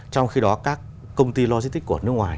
trong khi đó các công ty lôi stick của nước ngoài